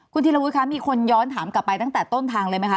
คุณธีรวุฒิคะมีคนย้อนถามกลับไปตั้งแต่ต้นทางเลยไหมคะ